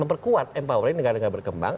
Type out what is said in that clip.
berkuat empowering negara negara berkembang